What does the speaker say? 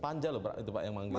panja lo itu pak yang manggil